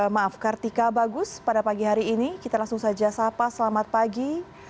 maaf kartika bagus pada pagi hari ini kita langsung saja sapa selamat pagi